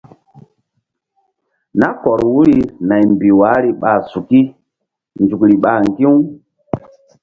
Nah kɔr wuri naymbih wahri ɓa suki nzukri ɓa ŋgi̧.